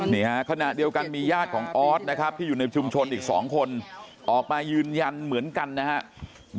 ขณะเดียวกันมีญาติของออสนะครับที่อยู่ในชุมชนอีก๒คนออกมายืนยันเหมือนกันนะครับ